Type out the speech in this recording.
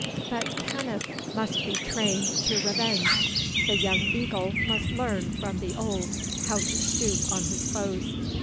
But Kenneth must be trained to revenge the young eagle must learn from the old how to stoop on his foes.